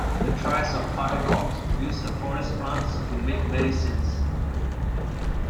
The tribes of Patalkot use the forest plants to make medicines.